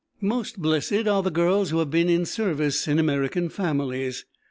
Most blessed are the girls who have been in service in American families.